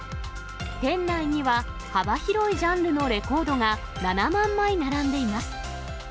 店内には、幅広いジャンルのレコードが７万枚並んでいます。